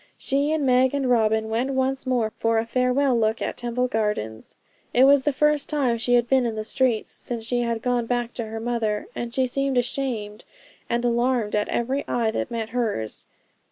She, and Meg, and Robin went once more for a farewell look at Temple Gardens. It was the first time she had been in the streets since she had gone back to her mother, and she seemed ashamed and alarmed at every eye that met hers.